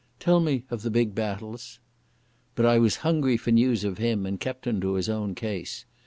Tell me of the big battles." But I was hungry for news of him and kept him to his own case.